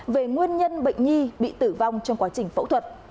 về nguyên nhân bệnh nhi bị tử vong trong quá trình phẫu thuật